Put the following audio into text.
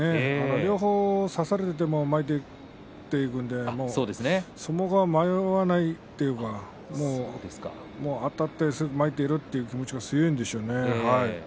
両方差されても前に出ていくので相撲が迷わないというかあたって前にいくという気持ちが強いでしょうね。